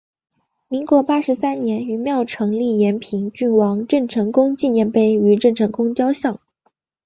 民国八十三年于庙埕立延平郡王郑成功纪念碑与郑成功雕像。